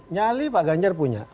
ini pak ganjar punya